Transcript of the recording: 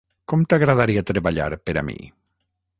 Com t'agradaria treballar per a mi?